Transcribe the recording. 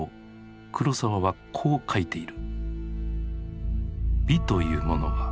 黒澤はこう書いている。